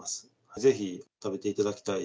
ぜひ食べていただきたい。